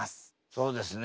そうですね。